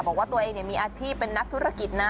บอกว่าตัวเองมีอาชีพเป็นนักธุรกิจนะ